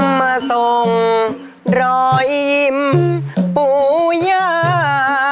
มาส่งรอยยิมปุญญา